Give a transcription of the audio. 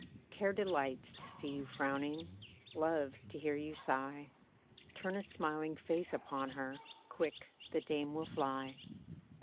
Care delights to see you frowning, Loves to hear you sigh; Turn a smiling face upon her, Quick the dame will fly.